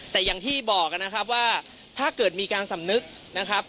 แต่อย่างที่บอกนะครับว่าถ้าเกิดมีการสำนึกนะครับ